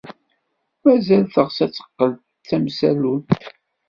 Mazal teɣs ad teqqel d tamsallunt?